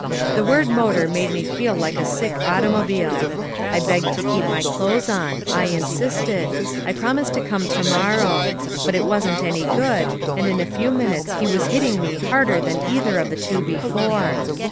The word motor made me feel like a sick automobile. I begged to keep my clothes on; I insisted; I promised to come to morrow; but it wasn't any good, and in a few minutes he was hitting me harder than either of the two before.